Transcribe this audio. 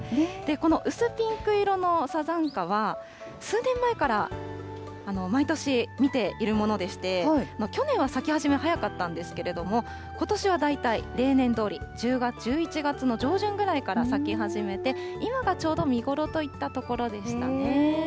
この薄ピンク色のサザンカは、数年前から毎年見ているものでして、去年は咲き始め、早かったんですけれども、ことしは大体例年どおり１１月の上旬ぐらいから咲き始めて、今がちょうど見頃といったところでしたね。